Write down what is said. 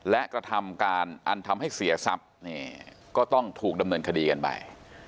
และกระทำการอันทำให้เสียทรัพย์ก็ต้องถูกดำเนินคดีกันไป